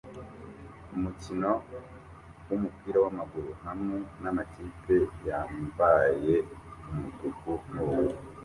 Umukino wumupira wamaguru hamwe namakipe yambaye umutuku nubururu